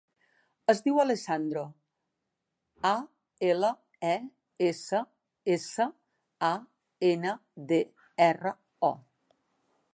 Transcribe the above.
Es diu Alessandro: a, ela, e, essa, essa, a, ena, de, erra, o.